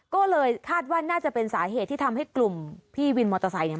ก็เลยคาดว่าน่าจะเป็นสาเหตุที่ทำให้กลุ่มพี่วินมอเตอร์ไซค์เนี่ย